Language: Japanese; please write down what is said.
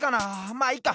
まっいっか！